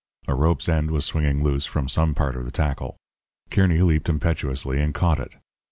A rope's end was swinging loose from some part of the tackle. Kearny leaped impetuously and caught it.